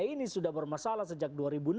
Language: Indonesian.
ini sudah bermasalah sejak dua ribu enam